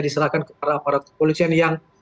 diserahkan ke para aparat kepolisian yang